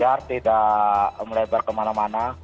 biar tidak melebar kemana mana